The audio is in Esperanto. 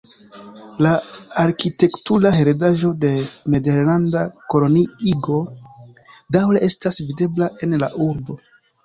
La arkitektura heredaĵo de nederlanda koloniigo daŭre estas videbla en la urbo.